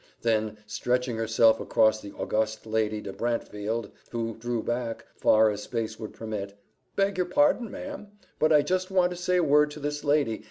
Then, stretching herself across the august Lady de Brantefield, who drew back, far as space would permit, "Beg your pardon, ma'am, but I just want to say a word to this lady.